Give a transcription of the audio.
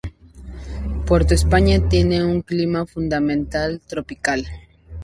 Puerto España tiene un clima fundamentalmente tropical.